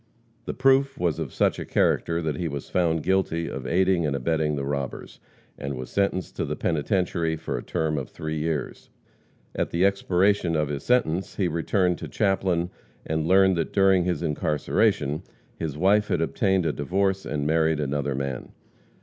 The proof was of such a character that he was found guilty of aiding and abetting the robbers, and was sentenced to the penitentiary for a term of three years. At the expiration of his sentence he returned to Chaplin and learned that during his incarceration his wife had obtained a divorce and married another man.